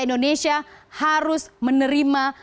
indonesia harus menerima